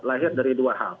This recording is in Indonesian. lahir dari dua hal